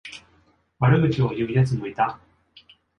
悪口を言うやつもいた。